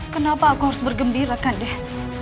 kenapa aku harus bergembirakan deh